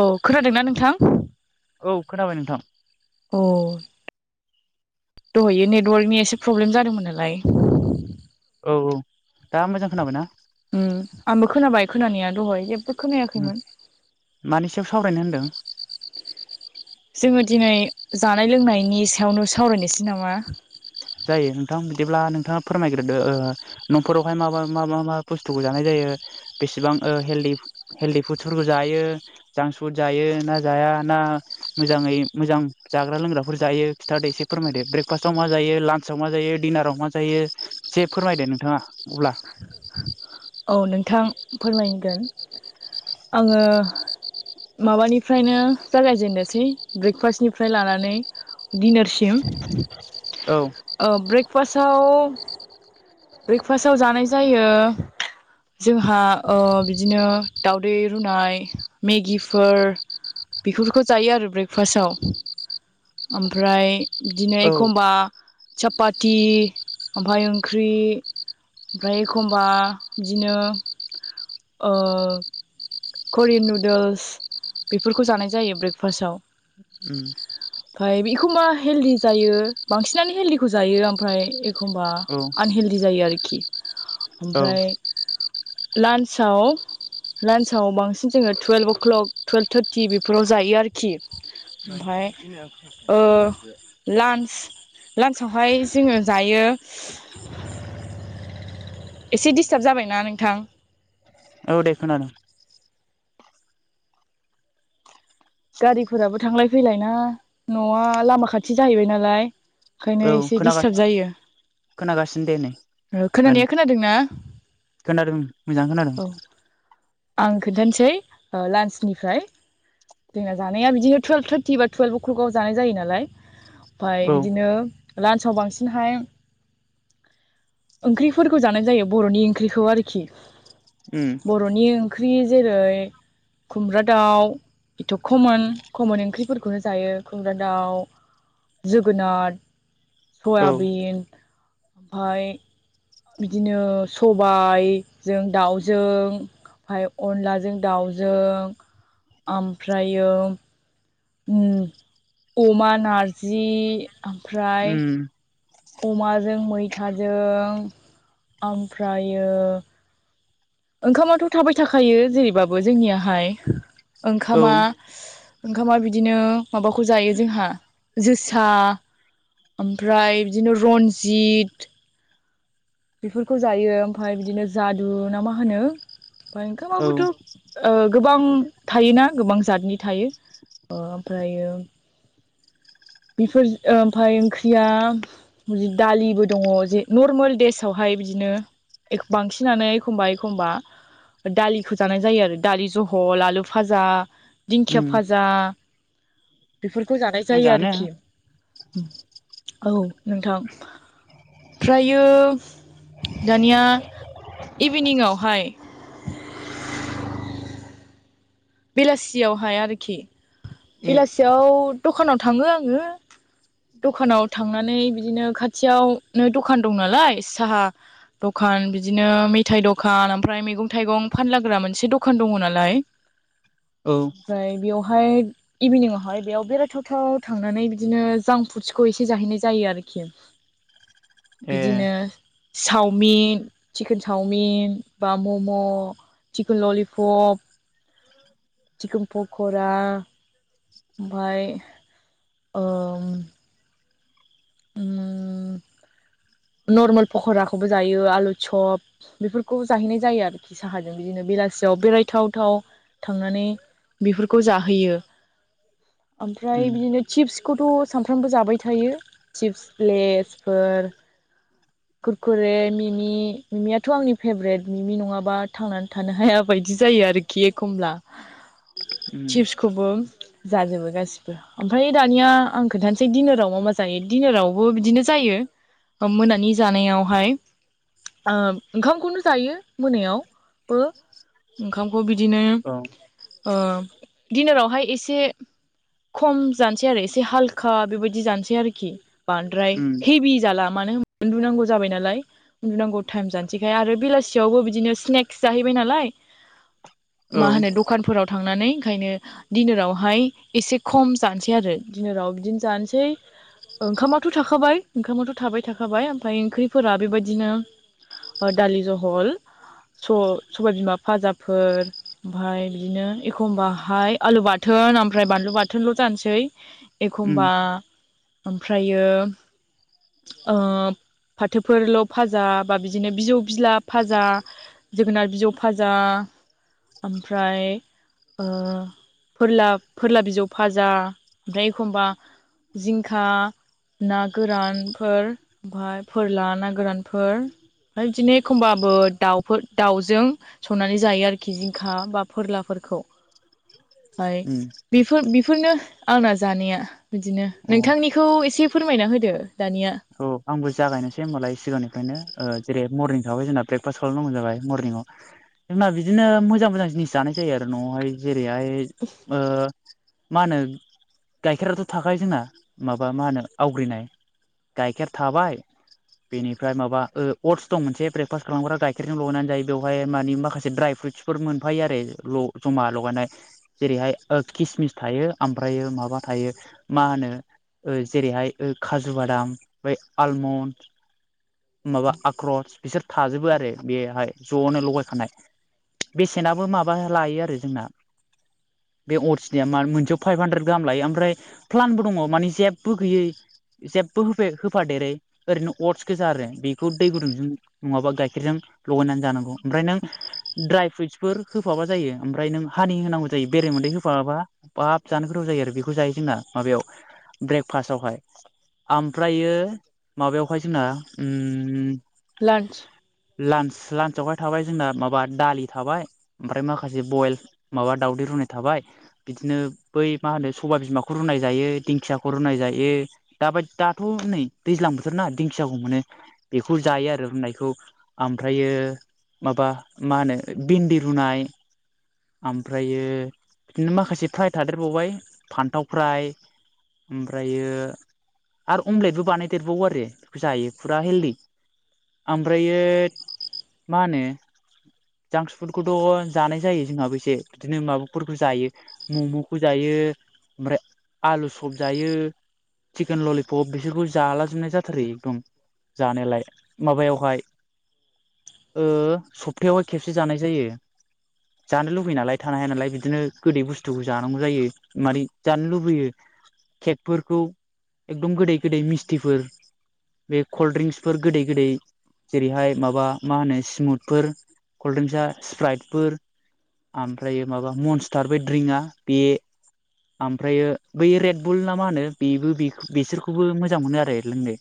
औ खोनादोंना नोंथां? औ खोनाबाय नोंथां अ दहायो नेटवरकनि एसे प्रब्लेम जादोंमोन नालाय औ औ दा मोजां खोनाबाय ना? उम आंबो खोनाबाय खोनानाया दहाय जेबो खोनायाखैमोन मानि सायाव सावरायनो होनदों? [inaudible] जोङो दिनै जानाय लोंनायनि सायावनो सावरायनोसै नामा जायो नोंथां बिदिब्ला नोंथाङा फोरमायग्रोदो ओ न'फोरावहाय मा मा मा मा मा बुस्थुखौ जानाय जायो बेसेबां ओ हेलदि हेलदि फुडस फोरखौ जायो जांक्स फुद जायो ना जाया ना मोजाङै मोजां जाग्रा लोंग्राफोर जायो खिथादो इसे फोरमायदो ब्रेकफास्टआव मा जायो लान्चआव मा जायो डिनाराव मा जायो जे फोरमायदो नोंथाङा अब्ला औ नोंथां फोरमायगोन आङो माबानिफ्रायनो जागायजेननोसै ब्रेकफास्टनिफ्राय लानानै दिनारसिम औ ब्रकास ब्रेकफास्टाव जानाय जायो जोंहा ओ बिदिनो दउदै रुनाय मेगिफोर बेफोरखौ जायो आरो ब्रेकफास्टाव ओमफ्राय बिदिनो औ एखमबा सापाथि ओमफ्राय ओंख्रि ओमफ्राय एखमबा बिदिनो ओ करियान नुदोल्स बेफोरखौ जानाय जायो ब्रेकफास्टाव उम ओमफ्राय एखमबा हेलदि जायो बांसिनानो हेलदिखौ जायो ओमफ्राय एखमबा औ आनहेल्दि जायो आरोखि औ ओमफ्राय लान्साव लान्सआव बांसिन जोङो twelve o'clock twelve thirty बेफोराव जायो आरोखि ओमफ्राय ओ लान्स लान्सवहाय जोङो जायो [inaudible] एसे डिस्टार्ब जाबायना नोंथां। औ देखनादों। गारिफोराबो थांलाय फैलायना न'आ लामा खाथि जाहैबाय नालाय ओंखायनो औ एसे दिडिस्टार्ब खोनागासिनो जायो खोनागासिनो दे नै ओं खोनानाया खोनादोंना? खोनादों मोजां खोनादों। औ आं खोन्थानोसै लान्सनिफ्राय जोंना जानाया बिदिनो टुयेल्भ थार्टि बा टुयेल्भ कुकाव जानाय जायो नालाय ओमफफ्राय औ बिदिनो लान्सआव बांसिनहाय ओंख्रिफोरखौ जानाय जायो बर'नि ओंख्रिखौ आरोखि उम बर'नि ओंख्रि जेरै खुमब्रा दाउ बेथ' खमन खमन ओंख्रिफोरखौनो जायो खुमब्रा दाउ जोगोनार औ सयाबिन ओमफाय बिदिनो सबायजों दाउजों ओमफ्राय अनलाजों दाउजों ओमफ्रायो उम अमा नारजि ओमफ्राय उम अमाजों मैथाजों ओमफ्रायो ओंखामाथ' थाबाय थाखायो जेरैबाबो जोंनियाहाय औ ओंखामा ओंखामा बिदिनो माबाखौ जायो जोंहा जोसा ओमफ्राय बिदिनो रनजित बेफोरखौ जायो ओमफफ्राय बिदिनो जादु ना मा होनो ओमफ्राय औ ओंखामाबोथ' ओ गोबां थायोना गोबां जातनि थायो ओमफ्रायो बेफोर ओमफाय ओंख्रियाढं दालिबो दङ ज नर्मेल देस फावहाय बिदिनो बांसिनानो एखमबा एखमबा दालिखौ जानाय जायो आरो दालि जहल आलु फाजा दिंखिया उम फाजा बेफोरखौ जानाय जायो मोजाङानो आरोखि औ नोंथां ओफ्रायो दानिया इभिनिंआवहाय बेलासियावहाय आरोखि उम बेलासियाव दखानाव थाङो आङो दखानाव थांनानै बिदिनो खाथियावनो दखान दं नालाय साहा दखान बिदिनो मेथाइ दखान ओमफ्राय मैगं थाइगं फानलाग्रा मोनसे दखान दङ नालाय औ ओमफ्राय बेवहाय इभिनिंआवहाय बेयाव बेरायथाव थाव थांनानै बिदिनो जांक फुदसखौ एसे जाहैनाय जायो आरोखि ए बिदिनो चावमिन चिकेन चावमिन बा मम' चिकोन ललिपप चिकोन पक'रा ओमफाय ओ आङो नर्मेल पकराखौबो जायो आलु चप बेफोरखौ जाहैनाय जायो आरोखि बिदिनो बेलासियाव बेरायथाव थाव थांनानै बेफोरखौ जाहोयो ओमफ्राय उम बिदिनो चिप्सखौथ' सानफ्रामबो जाबाय थायो चिप्स प्लेसफोर खुरखुरे मिमि मिमियाथ' आंनि फेभरेट मिमि नङाबा थांनानै थानो हाया बायदि जायो आरो खि एखमब्ला उम चिप्सखौबो जाजोबो गासिबो ओमफ्राय दानिया आं खिथानोासै दिडिनाराव मा मा जायो डिनारावबो बिदिनो जायो। मोनानि जानायावहाय ओ ओंखामखौनो जायो मोनायाव बो ओंखामखौ बिदिनो औ ओ दिनारावहाय एसे खम जानोसै आरो एसे हालखा बेबायदि जानोसै आरोखि बांद्राय उम हेभि जाला मानो उन्दुनांगौ जाबाय नालाय उन्दुनांगौ टाइम जानोसैखाय आरो बेलासियावबो बिदिनो स्नेक्स जाहैबाय नालाय मा औ होनो दखानफोराव थांनानै ओंखायनो दिडनारावहाय एसे खम जानोसै आरो दिडिनाराव बिदिनो जानोसै ओंखामाथ' थाखाबाय ओंखामाथ' थाबाय था खाबाय ओमफ्राय ओंख्रिफोरा बेबायदिनो दालि जहल स-सबाय बिमा फाजाफोर ओमफ्राय बिदिनो एखम्बाहाय आलु बाथोन ओमफ्राय बानलु बाथोनल' जानोसै उम एखमबा ओमफ्रायो ओ फाथोफोरल' फाजा बा बिदिनो बिजौ बिला फाजा जोगोनार बिजौ फाजा ओमफ्राय ओ फोरला फोरला बिजौ फाजा ओमफ्राय एखमबा जिंखा ना गोरान फोर ओमफाय फोर लाना गोरानफोर ओमफ्राय बिदिनो एखमबाबो दाउफोर दाउजों संनानै जायो आरोखि जिंखा बा फोरलाफोरखौ हाय उम बेफोर बेफोरनो आंना जानाया बिदिनो अ नोंथांनिखौ एसे फोरमायना होदो दानिया औ आंबो जागायनोसै होमबालाय सिगांनिफ्रायनो जेरै मरनिं थाबाय जोंना ब्रेकफास्ट खालामनांगौ जाबाय मरनिंआव हबा बिदिनो मोजां मोजां जिनिस जानाय जायो आरो न'आवहाय जेरैहाय [inaudible] ओ मा होनो गाइखेराथ' थाखायो जोंना माबा मा होनो आवग्रिनाय। गाइखेर थाबाय बेनिफ्राय माबा ओ अट्स दं मोनसे ब्रेकफास्ट खालामग्रा गाइखेरजों लगायनानै जायो बेवहाय मानि माखासे द्राइ फ्रुइटच फोर मोनफायो आरो ल जमा लगानाय जेरैहाय ओ किसमिस थायो ओमफ्रायो माबा थायो मा होनो ओ जेरैहाय ओ खाजु बादाम ओमफ्राय आलमन्ड। माबा आख्रस बिसोर थाजोबो आरो बेहाय ज'नो लगायखानाय बेसेनाबो माबा लायो आरो जोंना बे अरिजिनायया मोनसेयाव फाइभ हान्द्रेद गाहाम लायो ओमफ्राय प्लानबो दङ मानिे जेबो गैयै जेबो हो-होफादेरै ओरैनो अटस गोजा आरो बेखौ दै गुदुंजों नङाबा गाइखेरजों लगायनानै जानांगौ ओमफ्राय नों ड्राय फ्रुइटसफोर होफाबा जायो ओमफ्राय नों हानि होनांगौ जायो बेरे मोदै होफाबाबा बाब जानो गोथाव जायो आरो बेखौ जायो जोंना माबायाव ब्रेक फास्टावहाय। ओमफ्रायो माबायावहाय जोंना उम लान्च लान्च लान्चआवहाय थाबाय जोंना माबा दालि थाबाय। ओमफ्राय माखासे बयल माबा दावदै रुनाय थाबाय। बिदिनो बै मा होनो सबाय बिमाखौ रुनाय जायो दिंखियाखौ रुनाय जायो दा बाय दा थ' नै दैज्लां बोथोर ना दिंखियाखौ मोनो। बेखौ जायो आरो रुनायखौ ओमफ्रायो माबा मा होनो भिन्दि रुनाय। आमफ्रायो बिदिनो माखासे फ्राय थादेरबावबाय फान्थाव फ्राय ओमफ्रायो आरो अमलेटबो बानायदेरबावो आरो बेखौ जायो फुरा हेलदि ओमफ्रायो मा होनो जांक्स फुदखौथ' जानाय जायो जोंहाबो एसे बिदिनो माबाफोरखौ जायो। मम'खौ जायो ओमफ्राय आलु सप जायो चिकेन ललि- पब बिसोरखौ जाला जोबनाय जाथारो एकदम जानायालाय माबायावहाय ओ सब्थायावहाय खेबसे जानाय जायो। जानो लुुबैयो नालाय थानो हाया नालाय बिदिनो गोदै बुस्थुखौ जानांगौ जायो। मारै जानो लुबैयो केकफोरखौ। एकदम गोदै गोदै मिस्टिफोर बे कल्ड ड्रिंक्सफोर गोदै गोदै। जेरैहाय माबा मा होनो स्मुथफोर कल्डड्रिंक्सा स्प्राइटफोर आमफ्रायो माबा मनसथार बै ड्रिंकआ बे। आमफ्रायो बै रेडबुल ना मा होनो बेबो बे- बिसोरखौबो मोजां मोनो आरो लोंनो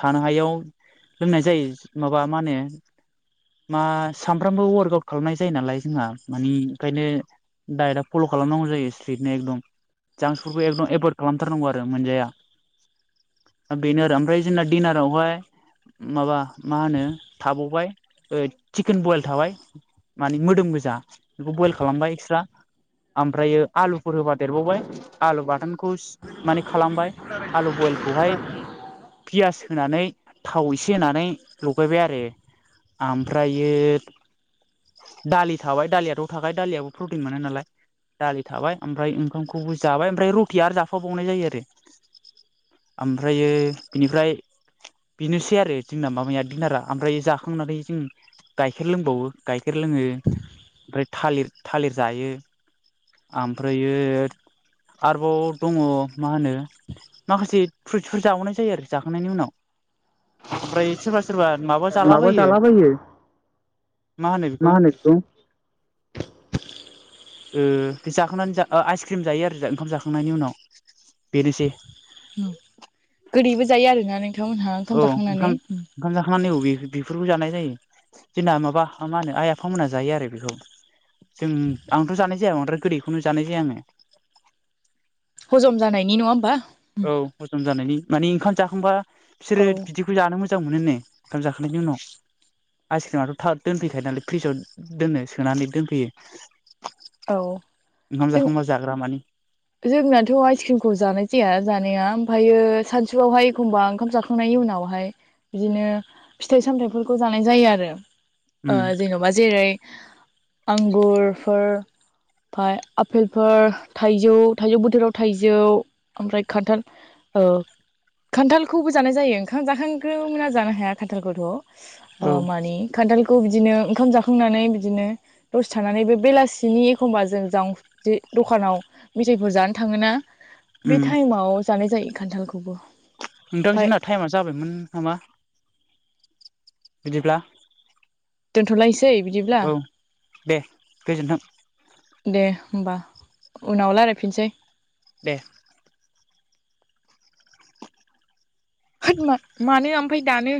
थानो हायाव लोंनाय जायो माबा मा होनो मा सानफ्रामबो वार्क आउट खालामनाय जायो नालाय जोंहा मानि ओंखायनो दडाइटआ फल' खालामनांगौ जायो स्ट्रिकनो एकदम जांक्सफोरखौ एकदम एभर्ड खालामथारनांगौ आरो मोनजाया। बेनो आरो ओमफ्राय जोंना डिनारावहाय माबा मा होनो थाबावबाय चिकेन बयल थाबाय। मानि मोदोम गोजा बेखौ बयल खालामबाय एक्सट्रा। ओमफ्रायो आलुफोर होबा देरबावबाय आलु बाथोनखौ सि माने खालामबाय। आलु बयलखौहाय पियास होनानै थाव एसे होनानै लगायबाय आरो। आमफ्रायो दालि थाबाय दालियाथ' थाखाय दालियाबो प्रटिन मोनो नालाय। दालि थाबाय ओमफ्राय ओंखामखौबो जाबाय ओमफ्राय रुटिया आरो जाफाबावनाय जायो आरो। ओमफ्रायो बिनिफ्राय बेनोसै आरो जोंना मामाया दिनारा ओमफ्राय जाखांनानै जों गाइखेर लोंबावो गाइखेर लोङो ओमफ्राय थालिर थालिर जायो ओमफ्रायो आरोबाव दङ मा होनो माखासे फ्रुइट्सफोर जाबावनाय जायो आरोखि जाखांनायनि उनाव ओमफ्राय सोरबा सोरबा माबा माबा जालाबायो जाला बायो मा होनो बेखौ ओ जाखांनानै जा आइसक्रिम जायो आरो ओंखाम जाखांनायनि उनाव। बेनोसै। औ गोदैबो जायो आरोना नोंथांमोनहा? औ ओंखाम ओंखाम जाखांनानै बेफोरखौ जानाय जायो। जोंना माबा मा होनो आइ आफामोनहा जायो आरो बेखौ जों आंथ' जानाय जाया बांद्राय गोदैखौनो जानाय जाया आङो हजम जानायनि नङा होमबा औ हजम जानायनि मानि ओंखाम जाखांबा औ बिसोरो बिदि बेखौ जानो मोजां मोनो नो ओंखाम जाखांनायनि उनाव आइसक्रिमाथ' था दोनफैखायो नालाय फ्रिजाव दोननो सोनानै दोनफैयो औ ओंखाम जों जाखांबा जाग्रा मानानि जोंनाथ' आइसक्रिमखौ जानाय जाया जानाया ओमफ्रायायो सानसुआवहाय एखमबा ओंखाम जाख बि संनायनि उनावहाय बिदिनो फिथाइ सामथायाइफोरखौ जानाय जायो आरो ओ उम जेन'बा जेरै आंगुरफोर ओमफ्राय आफेलफोर थाइ थाइजौ थाइजौ बोथोराव थाइजौ ओमफ्राय खान्थाल खान्थालखौबो जानाय जायो ओंखाम जाखांग्रोना जानो हाया खान्थालखौथ' औ मानि खान्थालखौ बिदिनो ओंखाम जाखांनानै बिदिनो दसे थानानै बे बेलासिनि एखम्बा जों ज जे दखानाव मेथायाइफोर जानो थाङोना बे उम टाइमाव जानाय जायो खान्थालखौबो नोंथां ओमफाय जोंना टाइमा जाबायमोन नामा बिदिब्ला दोनथ'लायसै बिदिब्ला औ दे गोजोन्थों दे होमबा उनाव रायलायफिनसै दे होद मानो ओमफफ्राय दानो